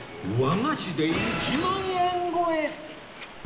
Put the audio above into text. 和菓子で１万円超え！